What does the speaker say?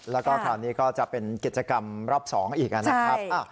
แล้วก็คราวนี้ก็จะเป็นกิจกรรมรอบ๒อีกนะครับ